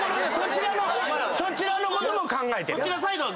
そちらのことも考えてる。